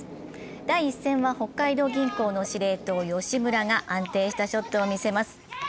第１戦は北海道銀行の指令塔・吉村が安定したショットを見せます。